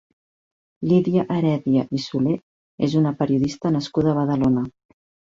Lídia Heredia i Soler és una periodista nascuda a Badalona.